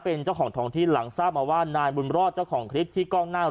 เป็นเจ้าของทองที่หลังทราบมาว่านายบุญรอดเจ้าของคลิปที่กล้องหน้า